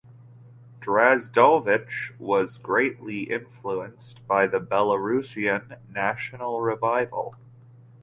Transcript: Drazdovich was greatly influenced by the Belarusian national revival.